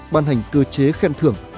ban hành cơ chế khen thưởng